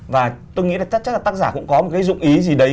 và tôi nghĩ là chắc chắc là tác giả cũng có một cái dụng ý gì đấy